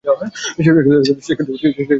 সে কিন্তু কিছুই টের পাইল না।